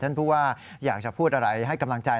ผู้ว่าอยากจะพูดอะไรให้กำลังใจ